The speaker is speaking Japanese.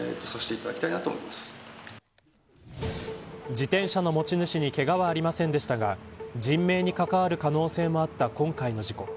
自転車の持ち主にけがはありませんでしたが人命に関わる可能性もあった今回の事故。